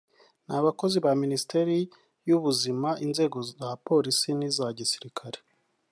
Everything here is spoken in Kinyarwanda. n’abakozi ba Minisiteri y’Ubuzima inzego za Polisi n’iza Gisirikare